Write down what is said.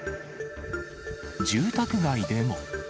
住宅街でも。